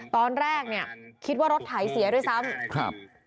ตอนแรกเนี่ยคิดว่ารถไถเสียด้วยซ้ำครับ